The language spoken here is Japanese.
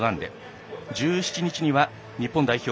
１７日には日本代表